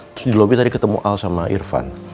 terus di lobby tadi ketemu al sama irfan